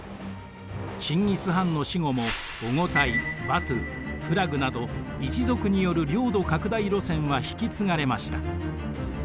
チンギス・ハンの死後もオゴタイバトゥフラグなど一族による領土拡大路線は引き継がれました。